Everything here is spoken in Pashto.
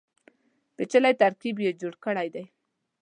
پېچلی ترکیب یې جوړ کړی دی.